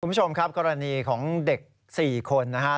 คุณผู้ชมครับกรณีของเด็ก๔คนนะฮะ